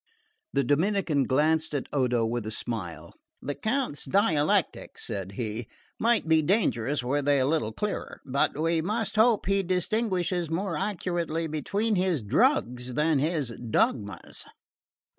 The Dominican glanced at Odo with a smile. "The Count's dialectics," said he, "might be dangerous were they a little clearer; but we must hope he distinguishes more accurately between his drugs than his dogmas."